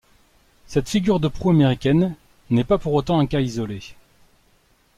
Cette figure de proue américaine n'est pas pour autant un cas isolé.